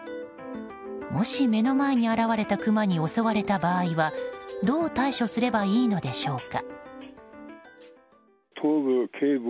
もし目の前に現れたクマに襲われた場合はどう対処すればいいのでしょうか。